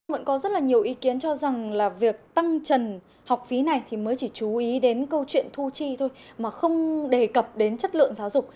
vẫn có rất là nhiều ý kiến cho rằng là việc tăng trần học phí này thì mới chỉ chú ý đến câu chuyện thu chi thôi mà không đề cập đến chất lượng giáo dục